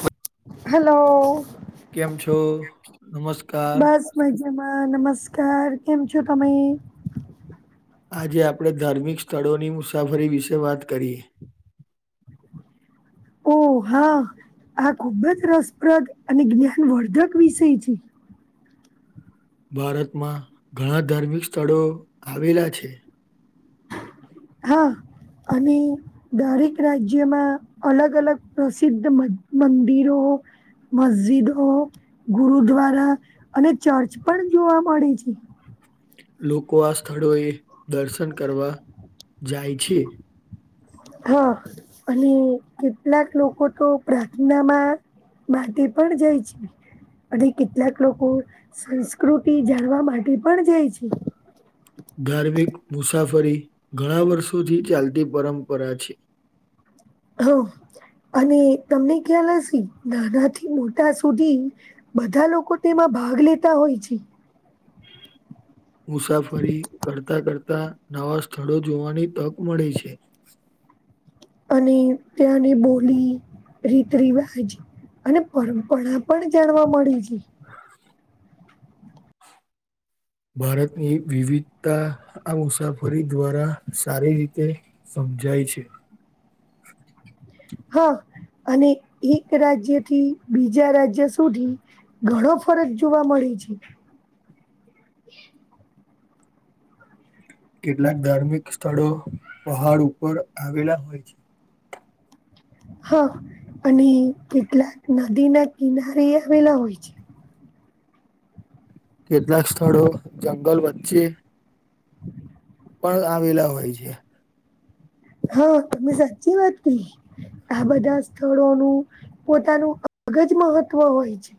હ હેલો કેમ છો, નમસ્કાર બસ નમસ્કાર કેમ છો, તમે આજે આપણે ધાર્મિક સ્થળોની મુસાફરી વિશે વાત કરીએ [inaudible] ઓહ, હા આ ખૂબજ રસપ્રદ અને જ્ઞાનવર્ધક વિષય છે. ભારતમાં ઘણા ધાર્મિક સ્થળો આવેલા છે. હા અને દરેક રાજ્યમા, અલગ અલગ પ્રસિદ્ધ મંદિરો મસ્જિદો ગુરુદ્વારા અને ચર્ચ પણ જોવા મળે છે. લોકો આ સ્થળો એ દર્શન કરવા જાય છે. હા, અને કેટલાક લોકો તો પ્રાર્થનામા બાંઘી પણ જાય છે. અને કેટલાક લોકો સંસ્કૃતિ જાણવા માટે પણ, જાય છે. ફરી ઘણા વર્ષોથી ચાલતી પરંપરા છે. હ અને તમને ખ્યાલ હશે, નાના થી મોટા સુધી બધા લોકો તેમા ભાગ લેતા હોય છે. મુસાફરી કરતા, કરતા નવા સથળો જોવાની તક મળે છે. અને ત્યાંની બોલી રીત રિવાજ અને પરંપરા પણ જાણવા મણે છે. ભારતની વિવિધતા આ મુસાફરી દ્વારા સારી રીતે સમ જાય છે. હા અને એક રાજ્ય થી, બીજા રાજ્ય સુધી ઘણો ફરક જોવા મળે જી [unintelligible] [inaudible] કેટલાક ધાર્મિક સ્થળો પહાડ ઉપર આવેલા હોય છે. હા [inaudible] અને કેટલાક નદીના કિનારે આવેલા હોય છે. કેટલાક સ્થળો જંગલ વચ્ચે પણ આવેલા હોય છે. હા તમે સાચચી વાતતી આ બધા સ્થળોનું પોતાનું અગજ મહત્વ હોય છે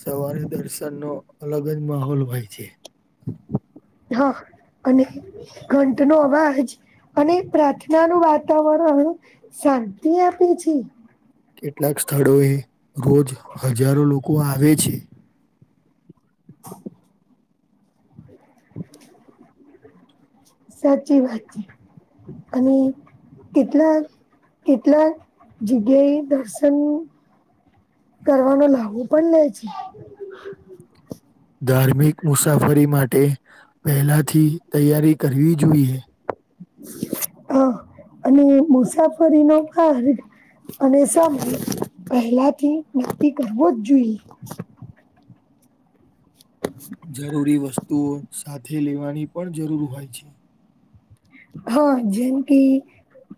સવારે દર્શનનો, અલગ જ માહોલ હોય છે. હા, અને ઘંટ નો અવાજ અને પ્રાર્થના નું વાતાવરણ શાંતિ આપે છે. કેટલાક સ્થળો, એ રોજ હજારો લોકો આવે છે. [inaudible] સાચી વાત છે, અને કેટલા કેટલા જગ્યાએ દર્શન કરવાનું લાવવું પણ લે છે. ધાર્મિક મુસાફરી માટે પહેલાથી તૈયારી કરવી જોઈએ હ, અને મુસાફરી નો ભાર અને સમય પહેલાથી નક્કી કરવોજ જોઈએ જરૂરી વસ્તુઓ સાથે લેવાની પણ જરૂર હોય છે. હા, જેમકી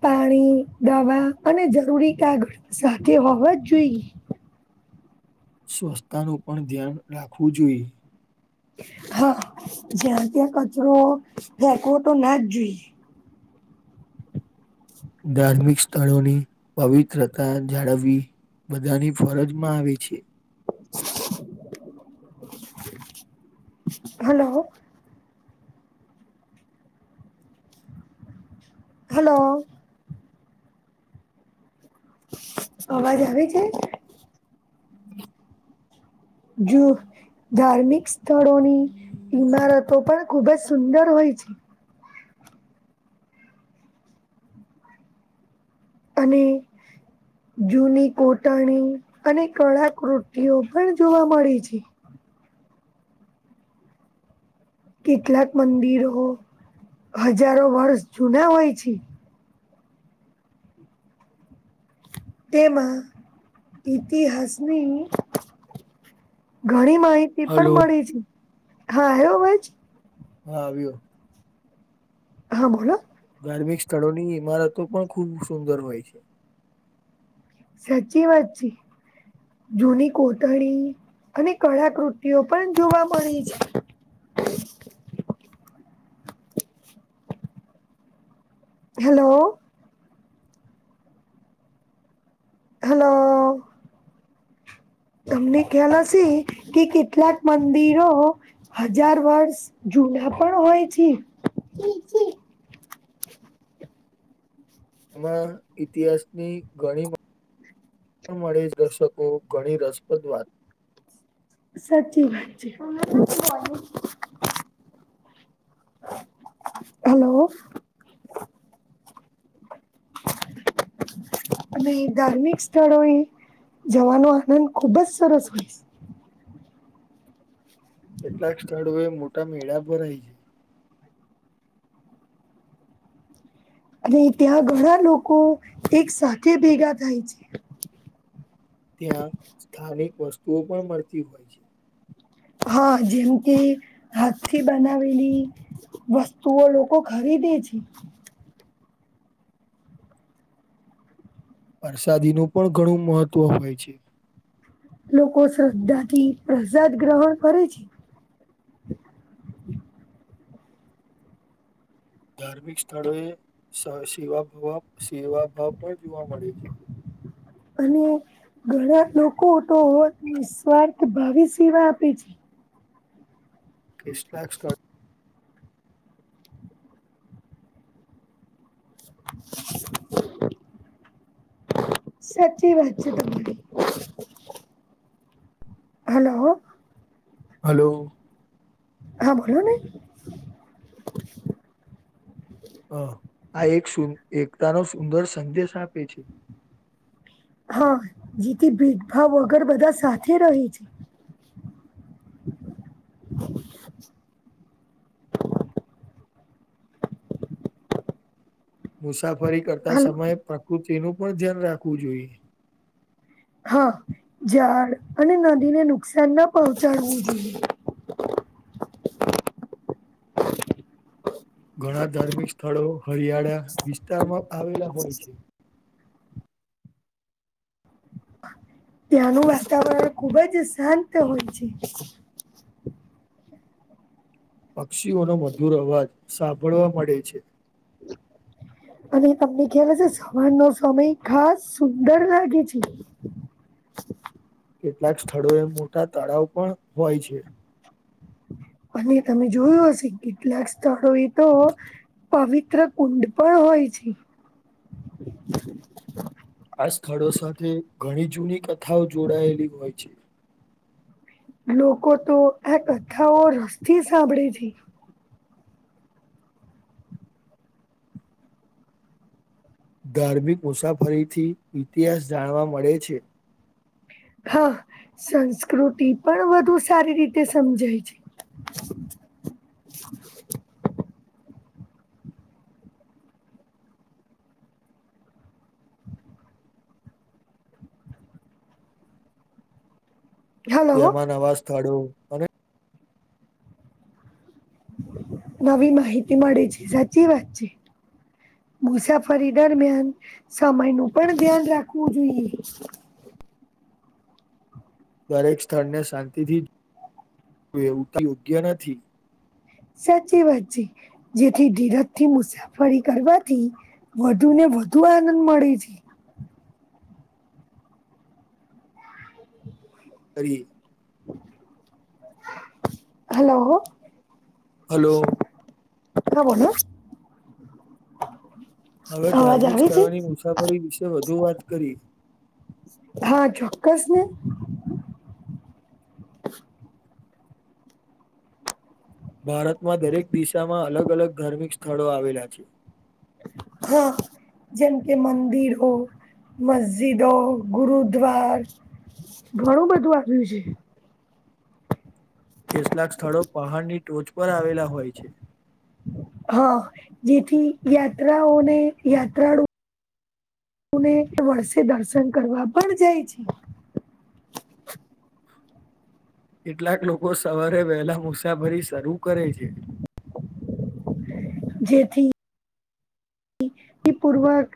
પાણી દવા અને જરૂરી કાગળ સાથે હોવા જ જોઈએ સ્વસ્ થતાનુ, પણ ધ્યાન રાખવું જોઈએ હા, જ્યા ત્યા કચરો ફેકોવો તો ના જ જોઈ ધાર્મિક સ્થળોની પવિત્રતા જાળવવી બધાની ફરજમાં આવે છે હલો હેલો અવાજ આવે છે [unintelligible] જો ધાર્મિક સ્થળોની ઈમારતો પણ ખુબ જ સુંદર હોય છે અને જૂની કોટાણી અને કળા કૃતિતિઓ પણ જોવા મળે છે હ [unintelligible] કેટલાક મંદિરો હજારો વર્ષ જૂના હોય છે તેમાં ઇતિહાસની. ઘણી માહિતી પણ હલો મળી છે હા આવ્યો અવાજ હા આવ્યો હા બોલો ધાર્મિક સ્થળોની ઈમારતો પણ ખૂબ સુંદર હોય છે સાચી વાતછી જૂની કોટણી અને કળાકૃતિઓ પણ જોવા મળી છે હ છે [unintelligible] હેલો હલો તમને ખ્યાલ હશે કે કેટલાક મંદિરો હજાર વર્ષ જો ચૂલા પણ હોય છે એ છે [unintelligible] આમાં ઇતિહાસની ઘણી પણ મળે જ દર્શકો ઘણી રસપ્રદ વાત સાચી વાત છે હલો [inaudible] અને ધાર્મિક સ્થળો એ જવાનો આનંદ ખુબ જ સરસ હોય કેટલાક સ્થળો એ મોટા મેળા ભરાય છે અને ત્યાં ઘણા લોકો એક સાથે ભેગા થાય છે. ત્યાં સ્થાનિક વસ્તુઓ પણ મળતી હોય છે હા જેમ કે હાથથી બનાવેલી વસ્તુઓ લોકો ખરીદે છે પી. વરસાદીનું પણ ઘણું મહત્વ હોય છે. લોકો શ્રદ્ધા થી પ્રસાદ ગ્રહણ કરે છે ધાર્મિક સ્થળોએ સ સેવા બવા સેવાભાવ પણ જોવા મળે છે હ અને ઘણા લોકો તો નિસ્વારથ ભાવે સેવા આપે છે કેશ લ સ્ટાર [unintelligible] સાચી વાત છે તમારી હલો હલો. હા બોલોને અ આ એક સુન એકતાનો સુંદર સંદેશ આપે છે હા જેથી ભેદભાવ વગર બધા સાથે રહે છે [inaudible] મુસાફરી કરતા હલો સમયે પ્રકૃતિ તેનું પણ ધ્યાન રાખવું જોઈએ હા ઝાડ અને નદીને નુકસાન ના પહોંચાડવું જોઈએ. [inaudible] ઘણા ધાર્મિક સ્થળો હરિયાળા વિસ્તારમાં આવેલા હોય છે. ત્યાાનુ વાતાવરણ ખૂબ જ શાંત હોય છે પક્ષીઓનો મધુર અવાજ સાંભળવા મળે છે અને તમને ખ્યાલ હસે સવારનો સમય ખાસ સુંદર લાગે છે કેટલાક સ્થળોએ મોટા તળાવ પણ હોય છે અને તમે જોયું હશે કેટલાક સ્થળો એ તો પવિત્ર કુંડ પણ હોય છે આ સ્થળો સાથે ઘણી જૂની કથાઓ જોડાયેલી હોય છે લોકો તો આ કથાઓ રસથી સાંભળે છે ધાર્મિક મુસાફરીથી ઇતિહાસ જાણવા મળે છે હા સંસ્કૃતિ પણ વધુ સારી રીતે સમજાય છે [unintelligible] છે હલો તેમાં નવા સ્થળો અને નવી માહિતી મળે છે સાચી વાત છે મુસાફરી દરમિયાન સમય નું પણ ધ્યાન રાખવું જોઈએ દરેક સ્થળને શાંતિથી [inaudible] એવું તો યોગ્ય નથી સાચી વાત છે જેથી ઘીરજ થી મુસાફરી કરવાથી વધુ ને વધુ આનંદ મળે છે કરી [inaudible] હલો હલો એટલે બધું હવે ધાર્મિક સ્થળોની મુસાફરી વિશે વધુ વાત કરીએ હા ચોક્કસને. [inaudible] ભારતમાં દરેક દિશામાં અલગ અલગ ધાર્મિક સ્થળો આવેલા છે. હા જમ કે મંદિર હો મસ્જિદ હો ગુરુદ્વાર ઘણું બધું આવ્યું છે. કેટલાક સ્થળો પહાડની ટોચ પર આવેલા હોય છે. હા જેથી યાત્રાઓને યાત્રાળુ [inaudible] ને વર્ષે દર્શન કરવા પણ જાય છે [inaudible] કેટલાક લોકો સવારે વહેલા મુસાફરી શરૂ કરે છે જેથી [inaudible] પૂર્વક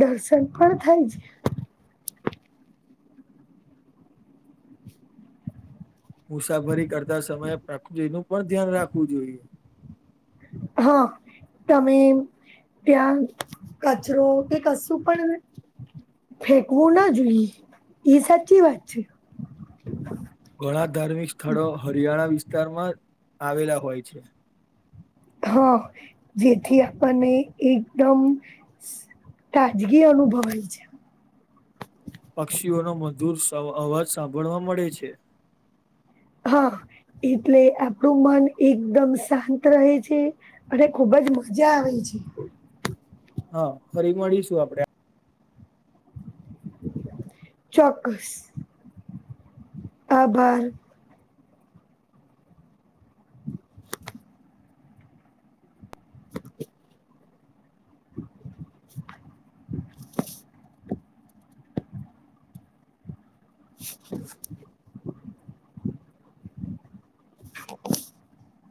દર્શન પણ થાય છે મુસાફરી કરતા સમયે [inaudible] નું પણ ધ્યાન રાખવું જોઈએ હા તમે ત્યાં કચરો કે કશું પણ ફેંકવું ના જોઈએ ઈ સાચી વાત છે ઘણા ધાર્મિક સ્થળો હરિયાણા વિસ્તારમાં આવેલા હોય છે હા જેથી આપણને એકદમ સ તાજગી અનુભવાય છે પક્ષીઓનો મધુર સવાર અવાજ સાંભળવા મળે છે. હા એટલે આપડું મન એકદમ શાંત રહે છે અને ખુબ જ મજા આવે છે [unintelligible] હા ફરી મળીશું આપડે. ચોક્કસ આભાર. [inaudible] [inaudible] [inaudible] [inaudible]